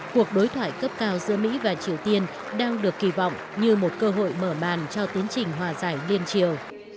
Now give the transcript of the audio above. cuộc đối thoại cấp cao giữa mỹ và triều tiên đang được kỳ vọng như một cơ hội mở màn cho tiến trình hòa giải liên triều